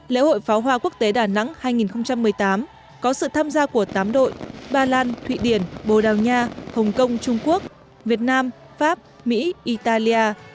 lễ hội pháo hoa quốc tế đà nẵng hai nghìn một mươi tám có sự tham gia của tám đội ba lan thụy điển bồ đào nha hồng kông trung quốc việt nam pháp mỹ italia